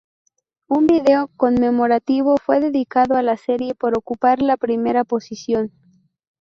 Un video conmemorativo fue dedicado a la serie por ocupar la primera posición.